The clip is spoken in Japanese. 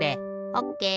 オッケー！